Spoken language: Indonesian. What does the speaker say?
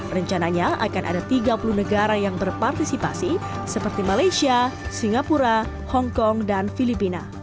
rencananya akan ada tiga puluh negara yang berpartisipasi seperti malaysia singapura hongkong dan filipina